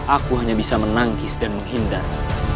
aku hanya bisa menangkis dan menghindar